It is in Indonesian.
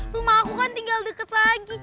rumah aku kan tinggal dekat lagi